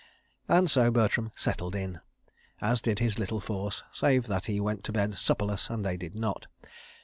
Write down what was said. ... And so Bertram "settled in," as did his little force, save that he went to bed supperless and they did not.